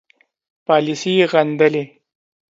پالیسي یې غندلې.